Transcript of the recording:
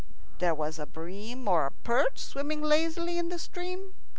There was a bream or a perch swimming lazily in the stream.